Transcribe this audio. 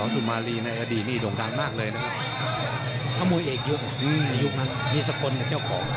อ๋อสุมารีในอดีตนี่โดนดังมากเลยนะครับถ้ามวยเอกยุคมีสกลแต่เจ้าของ